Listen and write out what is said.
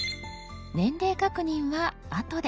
年齢確認は「あとで」。